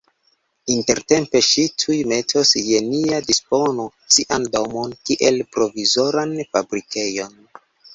Intertempe ŝi tuj metos je nia dispono sian domon kiel provizoran fabrikejon.